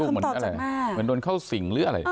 เหมือนโดนเข้าสิงหรืออะไร